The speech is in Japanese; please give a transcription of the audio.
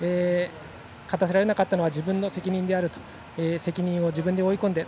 勝たせられなかったのは自分の責任であると責任を自分で追い込んで。